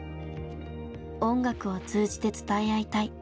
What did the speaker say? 音楽を通じて伝え合いたい。